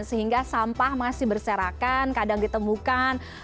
sehingga sampah masih berserakan kadang ditemukan